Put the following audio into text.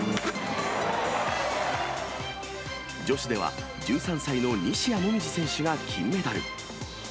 女子では１３歳の西矢椛選手が金メダル。